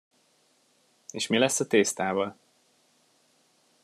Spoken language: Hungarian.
És mi lesz a tésztával?